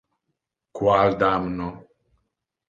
Qual damno!